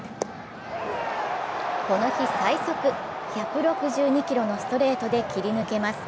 この日最速１６２キロのストレートで切り抜けます。